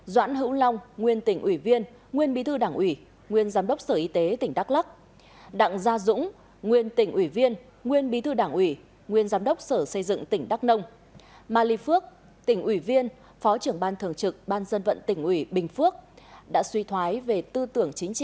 doãn hữu long nguyên tỉnh ủy viên nguyên bí thư đảng ủy nguyên giám đốc sở y tế tỉnh đắk lắc đặng gia dũng nguyên tỉnh ủy viên nguyên bí thư đảng ủy nguyên giám đốc sở xây dựng tỉnh đắk nông